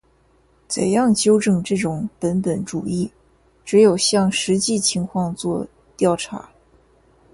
怎样纠正这种本本主义？只有向实际情况作调查。